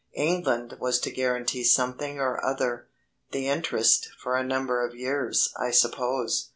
England was to guarantee something or other the interest for a number of years, I suppose.